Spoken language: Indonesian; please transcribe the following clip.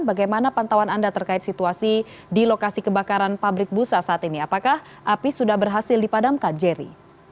bagaimana pantauan anda terkait situasi di lokasi kebakaran pabrik busa saat ini apakah api sudah berhasil dipadamkan jerry